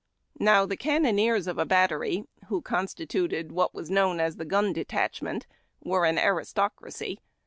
Now the cannoneers of a battery, who constituted what was known as the Gun Detachment, were an aristocracy.